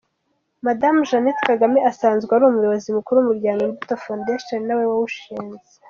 Madame Jeannette Kagame asanzwe ari umuyobozi mukuru w’umuryango Imbuto Fowundeshoni, ari nawe wawushinze.